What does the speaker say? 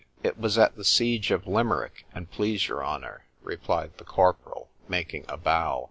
It was at the siege of Limerick, an' please your honour, replied the corporal, making a bow.